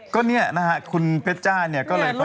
ก็เนี่ยคุณเพชจ้าเนี่ยก็เลยพยายามแบบ